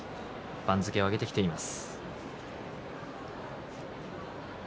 番付を上げてきています。